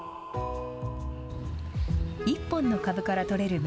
１本の株から採れる芽